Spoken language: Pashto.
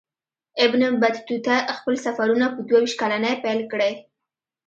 ابن بطوطه خپل سفرونه په دوه ویشت کلنۍ پیل کړي.